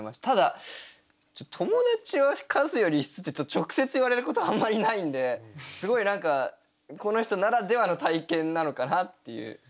ただ「友達は数より質」って直接言われることはあんまりないんですごい何かこの人ならではの体験なのかなっていう。